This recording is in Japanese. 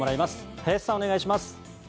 林さん、お願いします。